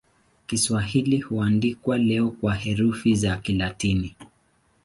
Kiswahili huandikwa leo kwa herufi za Kilatini.